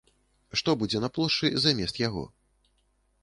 Што будзе на плошчы замест яго?